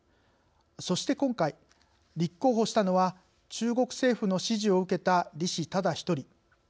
そして今回立候補したのは中国政府の支持を受けた李氏ただ一人。